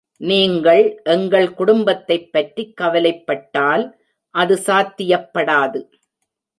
நீங்கள் எங்கள் குடும்பத்தைப் பற்றி கவலைப்பட்டால், அது சாத்தியப்படாது.